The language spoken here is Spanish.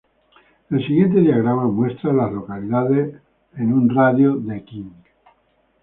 El siguiente diagrama muestra a las localidades en un radio de de King.